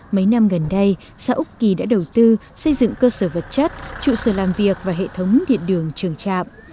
mấy năm gần đây xã úc kỳ đã đầu tư xây dựng cơ sở vật chất trụ sở làm việc và hệ thống điện đường trường trạm